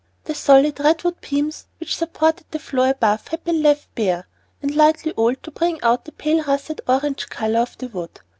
The solid redwood beams which supported the floor above had been left bare, and lightly oiled to bring out the pale russet orange color of the wood.